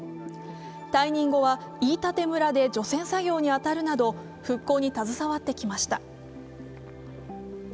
退任後は飯舘村で除染作業に当たるなど復興に携わってきました。